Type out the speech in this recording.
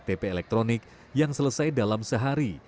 ktp elektronik yang selesai dalam sehari